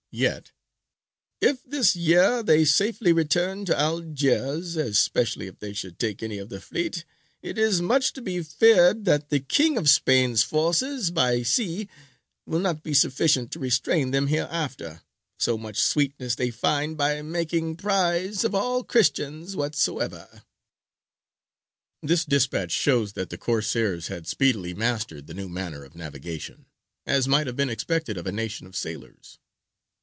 Yet "if this year they safely return to Algiers, especially if they should take any of the fleet, it is much to be feared that the King of Spain's forces by sea will not be sufficient to restrain them hereafter, so much sweetness they find by making prize of all Christians whatsoever." This dispatch shows that the Corsairs had speedily mastered the new manner of navigation, as might have been expected of a nation of sailors.